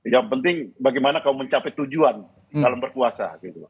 yang penting bagaimana kau mencapai tujuan dalam berkuasa